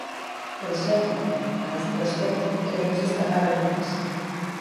Por exemplo, a este respecto, queremos destacar algunhas.